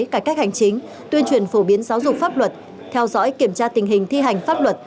cải cách hành chính tuyên truyền phổ biến giáo dục pháp luật theo dõi kiểm tra tình hình thi hành pháp luật